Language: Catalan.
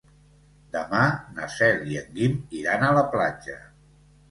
Demà na Cel i en Guim iran a la platja.